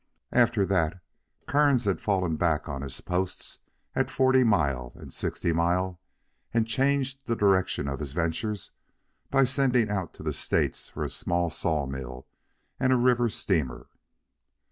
After that, Kearns had fallen back on his posts at Forty Mile and Sixty Mile and changed the direction of his ventures by sending out to the States for a small sawmill and a river steamer.